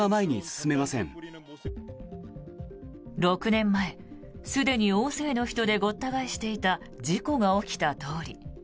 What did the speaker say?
６年前、すでに大勢の人でごった返していた事故が起きた通り。